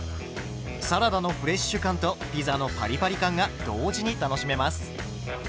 サラダのフレッシュ感とピザのパリパリ感が同時に楽しめます。